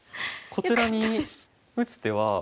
こちらに打つ手は。